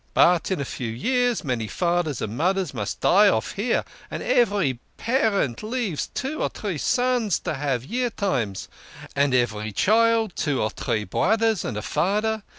But in a few years many faders and moders must die off here, and every parent leaves two or tree sons to have Year Times, and every child two or tree broders and a fader.